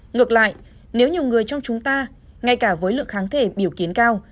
ngược lại nếu nhiều người trong chúng ta ngay cả với lượng kháng thể biểu kiến cao